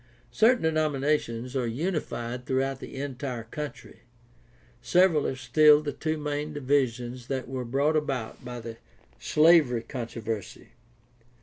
— Certain denominations are unified throughout the entire country. Several have still the two main divisions that were brought about by the slavery controversy.